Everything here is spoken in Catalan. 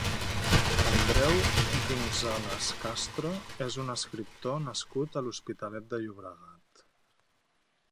Andreu González Castro és un escriptor nascut a l'Hospitalet de Llobregat.